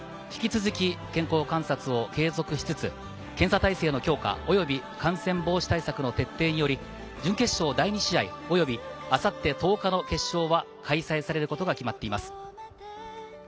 引き続き、健康観察を継続しつつ、検査体制の強化、及び感染防止対策の徹底により、準決勝第２試合および、あさって１０日の決勝は開催されることが決まっています。